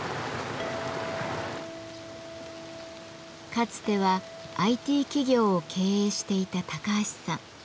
かつてはＩＴ企業を経営していた高橋さん。